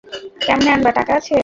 কেমনে আনবা, টাকা আছে?